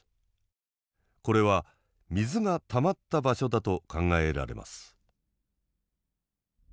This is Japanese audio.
これは水がたまった場所だと考えられます。